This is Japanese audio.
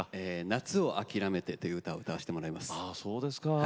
「夏をあきらめて」という歌を歌わせていただきます。